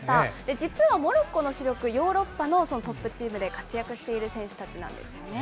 実はモロッコの主力、ヨーロッパのトップチームで活躍している選手たちなんですよね。